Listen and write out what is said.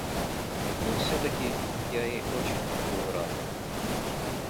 Но всё-таки я ей очень был рад.